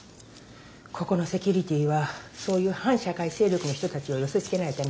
ここのセキュリティーはそういう反社会勢力の人たちを寄せつけないために厳重にしてるのよ。